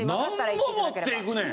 なんぼ持っていくねん！